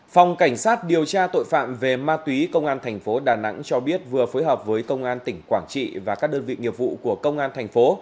phòng cảnh sát điều tra tội phạm về ma túy công an thành phố đà nẵng cho biết vừa phối hợp với công an tỉnh quảng trị và các đơn vị nghiệp vụ của công an thành phố